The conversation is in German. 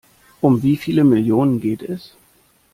Um wie viele Millionen geht es?